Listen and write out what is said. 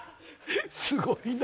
すごいな。